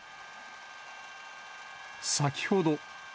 先ほど。